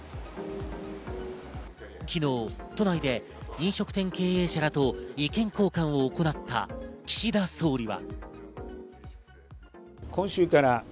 昨日都内で飲食店経営者らと意見交換を行った岸田総理は。